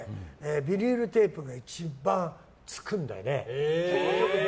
ビニールテープが一番つくんだよね。